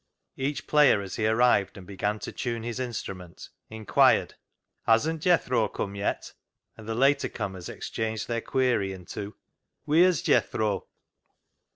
Each player as he arrived and began to tune his instrument, inquired —" Hasn't Jethro come yet ?" and the later comers exchanged their query into —" Wheer's Jethro